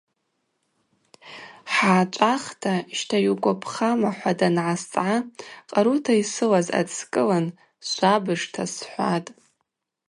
Хӏгӏачӏвахта – Щта, йугвапхама? – хӏва дангӏасцӏгӏа къарута йсылаз адскӏылын – Швабыжта – схӏватӏ.